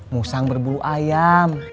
musang berbulu ayam